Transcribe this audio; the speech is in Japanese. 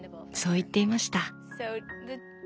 そう言っていました。